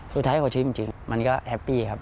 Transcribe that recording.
สุดท้ายพอชิมจริงมันก็แฮปปี้ครับ